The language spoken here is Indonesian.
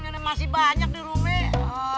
karena masih banyak di rumah